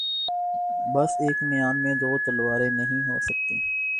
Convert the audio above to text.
بس ایک میان میں دو تلواریں نہیں ہوسکتیں